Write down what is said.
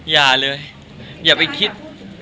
อย่าเลยอย่าไปคิด